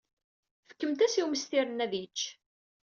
Fkemt-as i umestir-nni ad yečč.